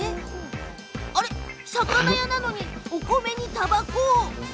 さかなや、なのにお米にたばこ。